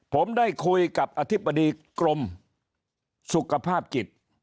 ผมได้คุยกับอธิบดีกรมสุขภาพจิต